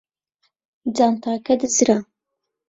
جانتاکە دزرا.